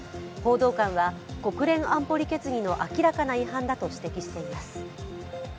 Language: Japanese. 報道官は、国連安保理決議の明らかな違反だと指摘しています。